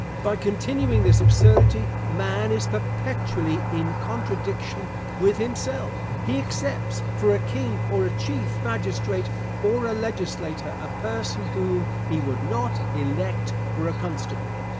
By continuing this absurdity, man is perpetually in contradiction with himself; he accepts, for a king, or a chief magistrate, or a legislator, a person whom he would not elect for a constable.